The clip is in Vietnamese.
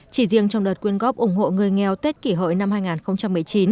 chỉ riêng trong đợt quyên góp ủng hộ người nghèo tết kỷ hội năm hai nghìn một mươi chín